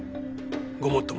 ごもっともです。